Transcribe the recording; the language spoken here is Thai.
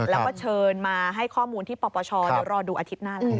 แล้วก็เชิญมาให้ข้อมูลที่พลประชอร์รอดูอาทิตย์หน้าละ